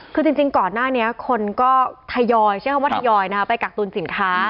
คือจริงก่อนหน้านี้คนก็ทยอยไปกักตูนสินค้า